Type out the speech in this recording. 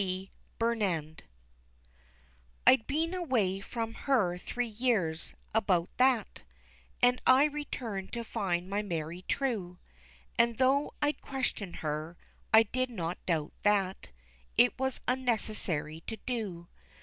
C. BURNAND. I'd been away from her three years about that And I returned to find my Mary true, And though I'd question her, I did not doubt that It was unnecessary so to do.